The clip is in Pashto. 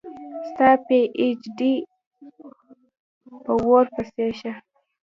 ستا پي ایچ ډي په اوور پسي شه